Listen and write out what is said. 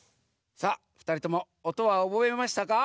さあふたりともおとはおぼえましたか？